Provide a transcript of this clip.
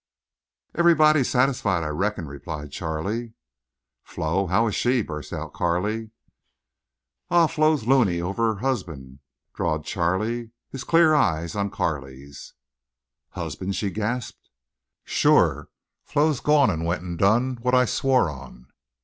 "Everybody satisfied, I reckon," replied Charley. "Flo—how is she?" burst out Carley. "Aw, Flo's loony over her husband," drawled Charley, his clear eyes on Carley's. "Husband!" she gasped. "Sure. Flo's gone an' went an' done what I swore on."